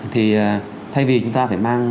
thì thay vì chúng ta phải mang